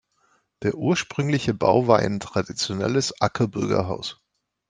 Der ursprüngliche Bau war ein traditionelles Ackerbürgerhaus.